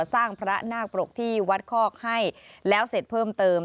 สร้างพระนาคปรกที่วัดคอกให้แล้วเสร็จเพิ่มเติม